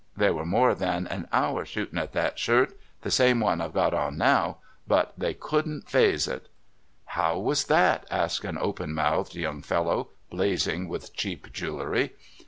They were more than a hour shoot in' at that shirt — the same I 've got on now — but they could n't faze it." "How was that?" asked an open mouthed young fellow, blazing with cheap jewelry.